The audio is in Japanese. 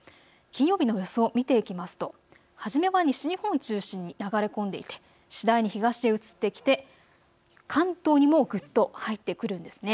金曜日の予想、見ていきますと初めは西日本中心に流れ込んでいて次第に東へ移ってきて関東にもぐっと入ってくるんです。